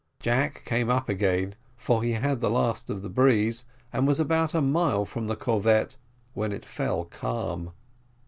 Jack came up again, for he had the last of the breeze, and was about half a mile from the corvette when it fell calm.